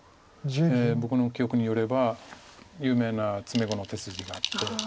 僕の記憶によれば有名な詰碁の手筋があって。